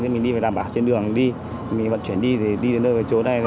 nhưng mình đi phải đảm bảo trên đường đi mình vận chuyển đi đi đến đây về chỗ này